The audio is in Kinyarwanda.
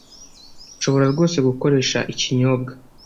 Nshobora rwose gukoresha ikinyobwa